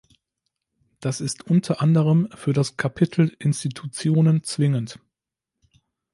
Das ist unter anderem für das Kapitel Institutionen zwingend.